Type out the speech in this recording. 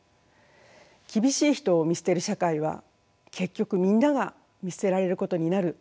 厳しい人を見捨てる社会は結局みんなが見捨てられることになる社会です。